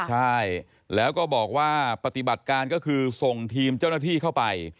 ใช่แล้วก็บอกว่าปฏิบัติการก็คือส่งทีมเจ้าหน้าที่เข้าไป